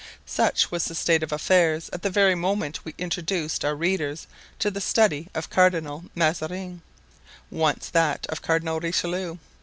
Such was the state of affairs at the very moment we introduced our readers to the study of Cardinal Mazarin—once that of Cardinal Richelieu.